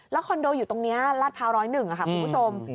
แล้วคอนโดอยู่ตรงนี้ลาดพาว๑๐๑คุณผู้ชม